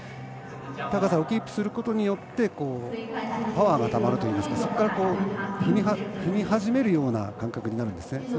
高さをキープすることによってパワーがたまるといいますかそこから踏み始めるような感覚になるんですね。